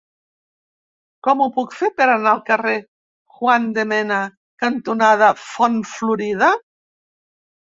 Com ho puc fer per anar al carrer Juan de Mena cantonada Font Florida?